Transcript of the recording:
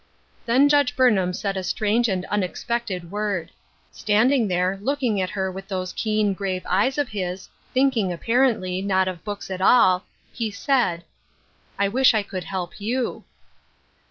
Then Judge Burnham said a strange and unexpected word. Standing there, looking at her with those keen, grave eyes of his, thinking, apparently, not of books at all, he said :" I wish I could help you.